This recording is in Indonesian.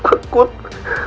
maafin pangeran ma